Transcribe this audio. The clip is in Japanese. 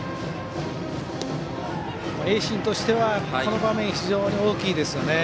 盈進としてはこの場面非常に大きいですよね。